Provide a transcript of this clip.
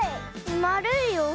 まるいよ。